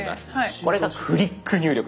これがフリック入力です。